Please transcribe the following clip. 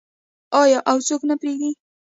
آیا او څوک نه پریږدي؟